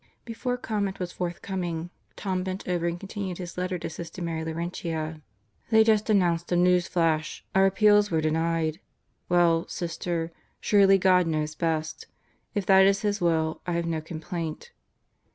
Before comment was forthcoming, Tom bent over and con tinued his letter to Sister Mary Laurentia: "They just announced a news flash. Our appeals were denied. Well, Sister, surely God knows best. If that is His will, I have no complaint."